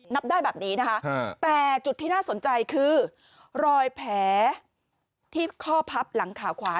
นับได้แบบนี้นะคะแต่จุดที่น่าสนใจคือรอยแผลที่ข้อพับหลังขาขวา